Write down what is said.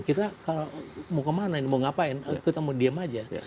kita mau kemana ini mau ngapain kita mau diam saja